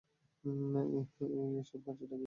এই, এসব হচ্ছেটা কী?